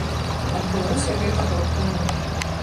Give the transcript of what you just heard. Адбылося гэта год таму.